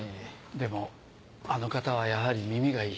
でもあの方はやはり耳がいい。